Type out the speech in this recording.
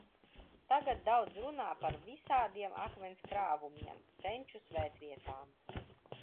Tagad daudz runā par visādiem akmens krāvumiem, senču svētvietām.